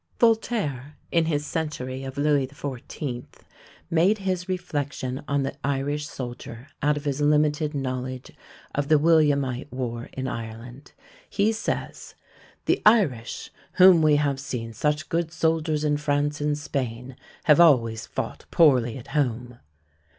Voltaire, in his Century of Louis XIV., made his reflection on the Irish soldier out of his limited knowledge of the Williamite war in Ireland. He says, "The Irish, whom we have seen such good soldiers in France and Spain, have always fought poorly at home"!